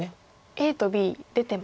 ＡとＢ出てますが。